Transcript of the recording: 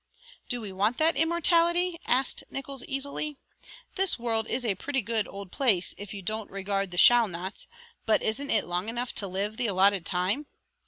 "Do we want that immortality?" asked Nickols easily. "This world is a pretty good old place if you don't regard the 'shalt nots,' but isn't it long enough to live the allotted time?